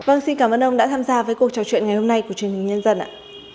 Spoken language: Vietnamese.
vâng xin cảm ơn ông đã tham gia với cuộc trò chuyện ngày hôm nay của truyền hình nhân dân ạ